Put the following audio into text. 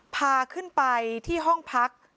พาขึ้นไปที่ห้องพัก